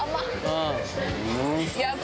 うん。